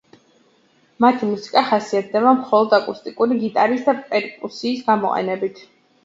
მათი მუსიკა ხასიათდება მხოლოდ აკუსტიკური გიტარის და პერკუსიის გამოყენებით.